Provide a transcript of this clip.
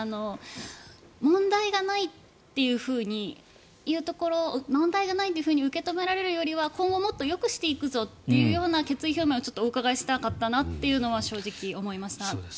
問題がないというふうに問題がないと受け止められるよりは今後、もっとよくしていくぞという決意表明をお伺いしたかったなというのは正直、思いました。